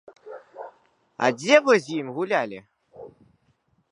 А дзе вы з ім гулялі?